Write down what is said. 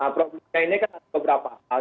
problemnya ini kan ada beberapa hal